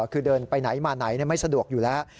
คือเดินไปไหนมาไหนไม่สะดวกอยู่แล้ว